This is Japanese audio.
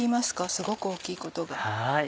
すごく大きいことが。